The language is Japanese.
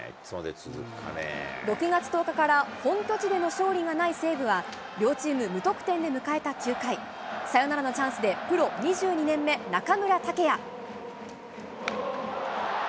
６月１０日から本拠地での勝利がない西武は、両チーム無得点で迎えた９回、サヨナラのチャンスでプロ２２年目、中村剛也。